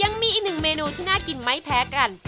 ยังมีอีกหนึ่งเมนูที่น่ากินไม่แพ้กัน